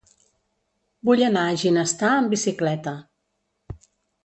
Vull anar a Ginestar amb bicicleta.